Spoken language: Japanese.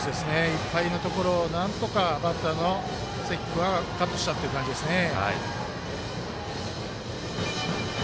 いっぱいのところをなんとかバッターの関君はカットしたって感じですね。